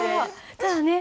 ただね